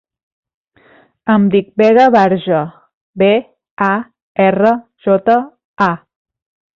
Em dic Vega Barja: be, a, erra, jota, a.